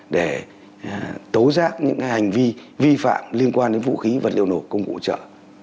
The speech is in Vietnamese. để tố giác những hành vi vi phạm liên quan đến vũ khí vật liệu nổ công cụ hỗ trợ